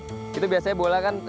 ada scrum itu biasanya bola kan